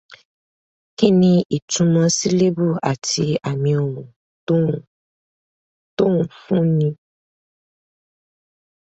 Kí ní ìtúmọ̀ Sílébù àti àmi ohun tó ń fún ni?